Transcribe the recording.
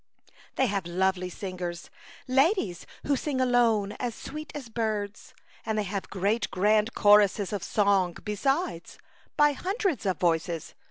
''They have lovely singers — ladies who sing alone as sweet as birds, and they have great grand choruses of song besides, by hundreds of voices.